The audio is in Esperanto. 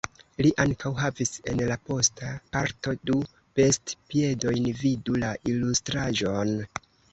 Li ankaŭ havis en la posta parto du bestpiedojn vidu la ilustraĵon.